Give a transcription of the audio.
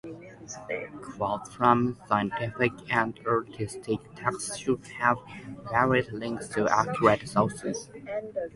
Quotes from scientific and artistic texts should have valid links to actual sources.